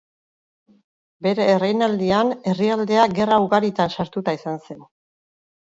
Bere erreinaldian herrialdea gerra ugaritan sartuta izan zen.